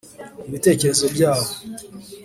ibitekerezo byabo